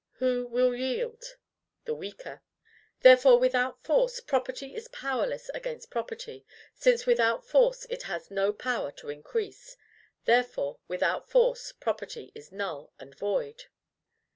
Who will yield? The weaker. Therefore, without force, property is powerless against property, since without force it has no power to increase; therefore, without force, property is null and void.